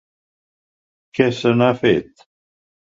Què se n'ha fet?